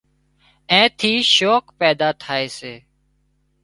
اين ٿي شوق پيدا ٿائي سي